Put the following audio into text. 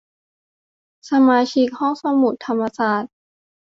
สมาชิกห้องสมุดธรรมศาสตร์